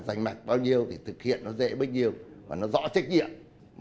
giành mặt bao nhiêu thì thực hiện nó dễ bao nhiêu và nó rõ trách nhiệm